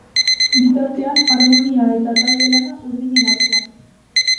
Bitartean, armonia eta talde lana urdinen artean.